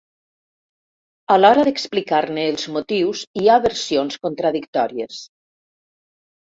A l'hora d'explicar-ne els motius hi ha versions contradictòries.